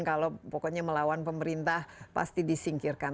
kalau pokoknya melawan pemerintah pasti disingkirkan